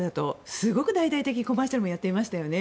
すごく大々的にコマーシャルをやっていましたよね。